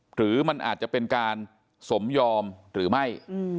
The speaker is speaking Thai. หรือมันอาจจะเป็นการสมยอมหรือไม่